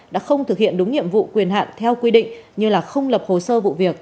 đã không thực hiện đúng nhiệm vụ quyền hạn theo quy định như không lập hồ sơ vụ việc